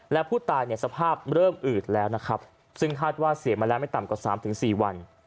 และผู้ตายเนี่ยสภาพเริ่มอืดแล้วนะครับซึ่งคาดว่าเสียมาแล้วไม่ต่ำกว่า๓๔วัน